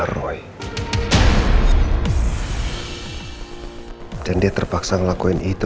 kalau memang aldebaran pernah melakukan itu